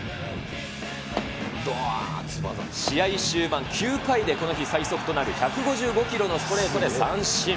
試合終盤、９回でこの日最速となる１５５キロのストレートで三振。